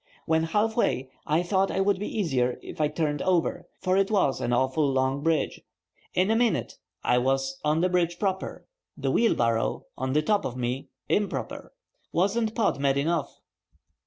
When half way, I thought I would be easier if I turned over, for it was an awful long bridge; in a minute I was on the bridge proper, the wheelbarrow on the top of me, improper. Wasn't Pod mad though!